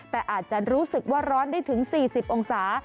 แต่อาจจะรู้สึกว่าร้อนได้ถึง๔๐องศา